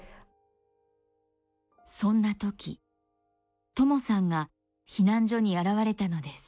そんなときともさんが避難所に現れたのです。